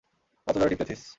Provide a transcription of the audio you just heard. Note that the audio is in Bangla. কত জোরে টিপতেছিস।